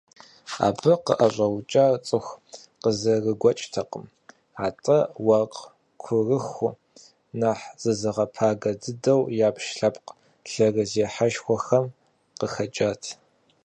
Абы къыӀэщӀэукӀар цӀыху къызэрыгуэкӀтэкъым, атӀэ уэркъ курыхыу, нэхъ зызыгъэпагэ дыдэу ябж лъэпкъ лъэрызехьэшхуэхэм къыхэкӀат.